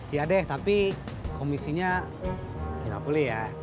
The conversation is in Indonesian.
iya deh tapi komisinya lima puluh ya